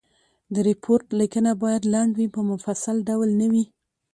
د ریپورټ لیکنه باید لنډ وي په مفصل ډول نه وي.